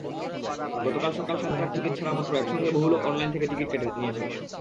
গতকাল সকাল সাতটায় টিকিট ছাড়ামাত্র একসঙ্গে বহু লোক অনলাইন থেকে টিকিট নিয়েছেন।